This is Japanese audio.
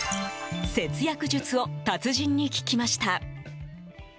節約術を達人に聞きました。